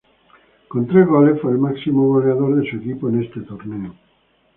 Con tres goles, fue el máximo goleador de su equipo en este torneo.